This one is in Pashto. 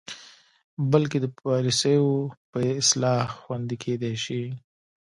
بلکې د پالسیو په اصلاح خوندې کیدلې شي.